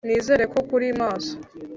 nizere ko ukuri maso!! “